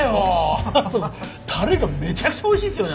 タレがめちゃくちゃおいしいですよね